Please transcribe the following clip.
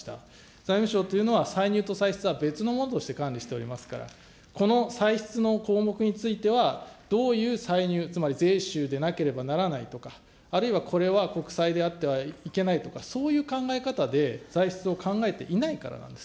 財務省というのは、歳入と歳出は別のものとして管理しておりますから、この歳出の項目については、どういう歳入、つまり税収でなければならないとか、あるいはこれは国債であってはいけないとか、そういう考え方で歳出を考えていないからなんです。